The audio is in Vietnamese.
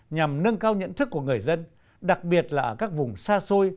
nhằm nâng cao nhận thức của người dân đặc biệt là ở các vùng xa xôi